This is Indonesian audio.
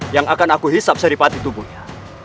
yang akan aku hisap sari pati tubuhnya